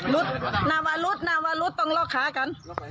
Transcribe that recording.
นาวารุธนาวารุธต้องลอกขากัน